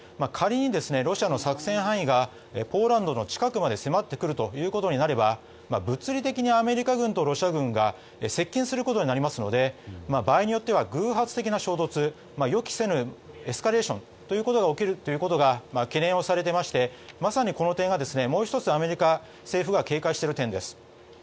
仮に、ロシアの作戦範囲がポーランドの近くまで迫ってくるということになれば物理的にアメリカ軍とロシア軍が接近することになりますので場合によっては偶発的な衝突予期せぬエスカレーションが起きることが懸念されていましてまさにこの点がもう１つアメリカ政府が警戒している点です。